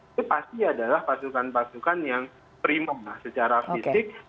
itu pasti adalah pasukan pasukan yang prima secara fisik